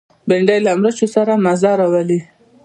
بېنډۍ له مرچو سره مزه راولي